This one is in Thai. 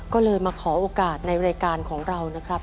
ก็เลยมาขอโอกาสในรายการของเรานะครับ